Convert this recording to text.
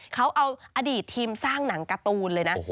เขาเอาอดีตทีมสร้างหนังการ์ตูนเลยนะ